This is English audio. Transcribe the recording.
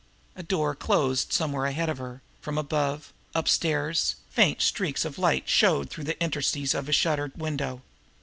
A door closed somewhere ahead of her; from above, upstairs, faint streaks of light showed through the interstices of a shuttered window.